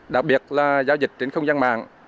đặc biệt là giao dịch trên không gian mạng